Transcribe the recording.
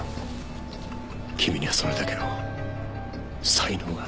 君にはそれだけの才能がある。